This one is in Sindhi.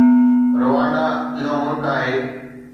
روانڊا اهو ملڪ آهي.